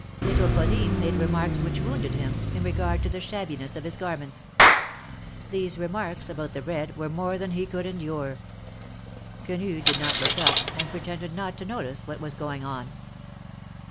Little Pauline made remarks which wounded him, in regard to the shabbiness of his garments. These remarks about the bread were more than he could endure. Quenu did not look up, and pretended not to notice what was going on.